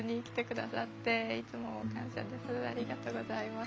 ありがとうございます。